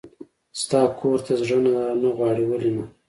ستا کور ته زړه نه غواړي؟ ولې نه.